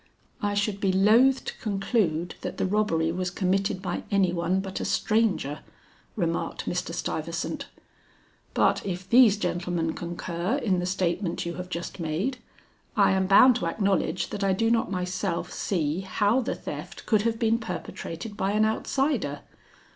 "I should be loth to conclude that the robbery was committed by any one but a stranger," remarked Mr. Stuyvesant; "but if these gentlemen concur in the statement you have just made, I am bound to acknowledge that I do not myself see how the theft could have been perpetrated by an outsider.